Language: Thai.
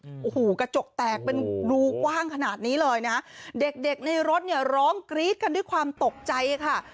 โอ้โหกระจกแตกเป็นรูกว้างขนาดนี้เลยนะเด็กเด็กในรถเนี่ยร้องกรี๊ดกันด้วยความตกใจค่ะ